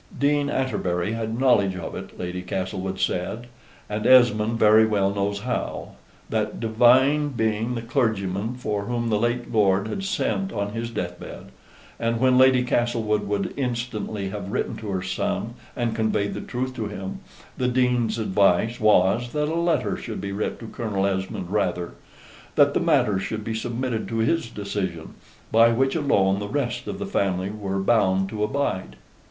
Dean Atterbury had knowledge of it, Lady Castlewood said, and Esmond very well knows how: that divine being the clergyman for whom the late lord had sent on his death bed: and when Lady Castlewood would instantly have written to her son, and conveyed the truth to him, the Dean's advice was that a letter should be writ to Colonel Esmond rather; that the matter should be submitted to his decision, by which alone the rest of the family were bound to abide.